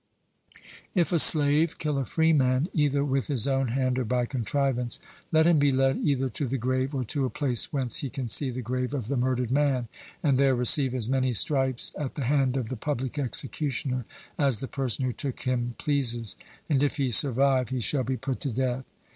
If a slave kill a freeman, either with his own hand or by contrivance, let him be led either to the grave or to a place whence he can see the grave of the murdered man, and there receive as many stripes at the hand of the public executioner as the person who took him pleases; and if he survive he shall be put to death.